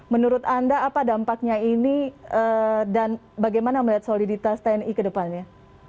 menurut anda apa dampaknya ini dan bagaimana melihat soliditas tni ke depannya